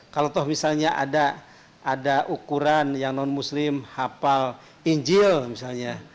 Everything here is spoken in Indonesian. kalau misalnya ada ukuran yang non muslim hafal injil misalnya